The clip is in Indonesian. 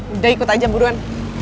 udah ikut aja buruan